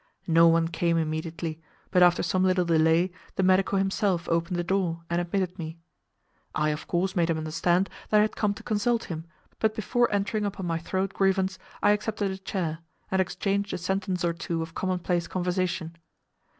No one came immediately, but after some little delay the medico himself opened the door, and admitted me. I of course made him understand that I had come to consult him, but before entering upon my throat grievance I accepted a chair, and exchanged a sentence or two of commonplace conversation.